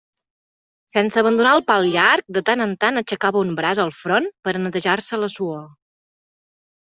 Sense abandonar el pal llarg, de tant en tant aixecava un braç al front per a netejar-se la suor.